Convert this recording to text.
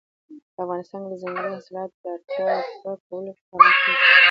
په افغانستان کې د ځنګلي حاصلاتو د اړتیاوو پوره کولو اقدامات کېږي.